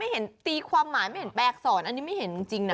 เห็นตีความหมายไม่เห็นแปลอักษรอันนี้ไม่เห็นจริงนะ